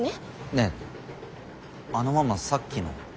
ねえあのママさっきの。